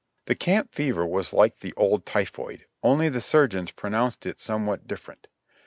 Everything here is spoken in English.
The camp fever was like the old typhoid, only the surgeons pronounced it somewhat different.